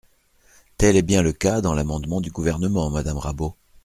Tel est bien le cas dans l’amendement du Gouvernement, madame Rabault.